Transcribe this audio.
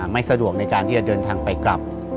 ไม่สะดวกในการที่จะเดินทางไปกลับ